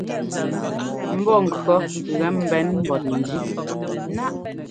Mbɔ́ŋkʉ̈ɔ gɛ mbɛn mbɔt njí.